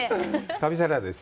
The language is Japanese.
旅サラダです。